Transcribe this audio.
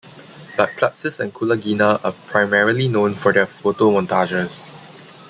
But Klutsis and Kulagina are primarily known for their photo montages.